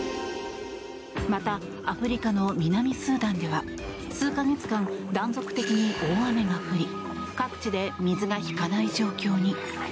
また、アフリカの南スーダンでは数か月間、断続的に大雨が降り各地で水が引かない状況に。